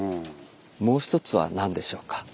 もう一つは何でしょうか？